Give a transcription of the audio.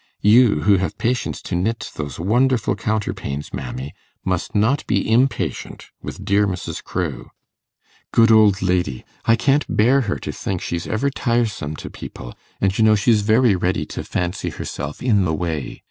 You, who have patience to knit those wonderful counterpanes, mammy, must not be impatient with dear Mrs. Crewe. Good old lady! I can't bear her to think she's ever tiresome to people, and you know she's very ready to fancy herself in the way.